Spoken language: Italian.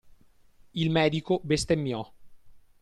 Il medico bestemmiò.